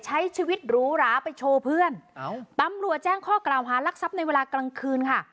ใช้ชีวิตหรูหราไปโชว์เพื่อนตำรวจแจ้งข้อกล่าวหารักทรัพย์ในเวลากลางคืนค่ะ